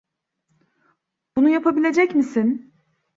Bunu yapabilecek misin?